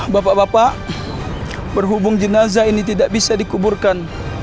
bapak bapak berhubung jenazah ini tidak bisa dikuburkan